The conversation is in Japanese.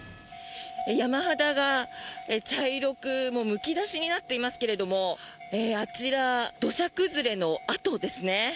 山肌が茶色くむき出しになっていますけれどもあちら、土砂崩れの跡ですね。